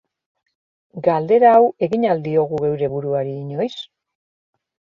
Galdera hau egin al diogu geure buruari inoiz?